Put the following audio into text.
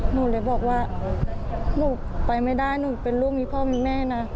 หนูเลยบอกว่าหนูไปไม่ได้หนูเป็นลูกมีพ่อมีแม่นะ